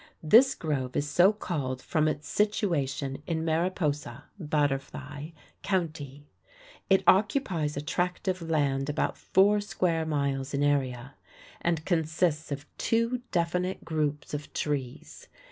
This grove is so called from its situation in Mariposa (Butterfly) County. It occupies a tract of land about four square miles in area, and consists of two definite groups of trees.